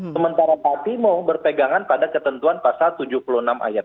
sementara pak timo berpegangan pada ketentuan pasal tujuh puluh enam ayat tiga